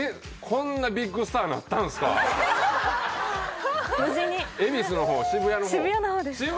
こんなビッグスターになったんすか渋谷の方！